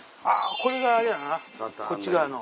これがあれやなこっち側の。